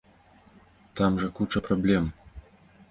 Там жа куча праблем.